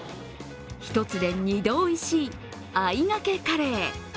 一つで二度美味しい、あいがけカレー。